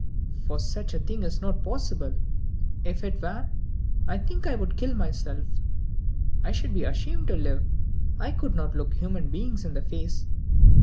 Such a thing is not possible; if it were, I think I would kill myself. I should be ashamed to live. I could not look human beings in the face.